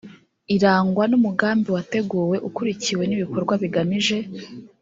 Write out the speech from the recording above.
irangwa n umugambi wateguwe ukurikiwe n ibikorwa bigamije